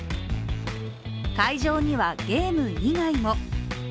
会場には、ゲーム以外も。